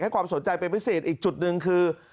ความสนใจเป็นพิเศษอีกจุดหนึ่งคือ